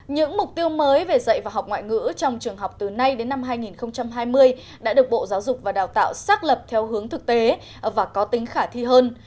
những mục tiêu mới về dạy và học ngoại ngữ trong trường học từ nay đến năm hai nghìn hai mươi đã được bộ giáo dục và đào tạo xác lập theo hướng thực tế và có tính khả thi hơn